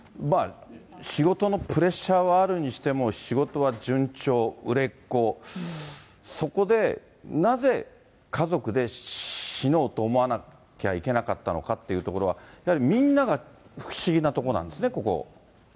仕事のプレッシャーはあるにしても、仕事は順調、売れっ子、そこで、なぜ家族で死のうと思わなきゃいけなかったのかっていうところは、やはりみんなが不思議なとこなんですね、ここ。